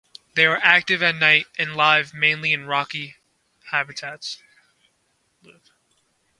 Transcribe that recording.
They are active at night and live mainly in rocky habitats.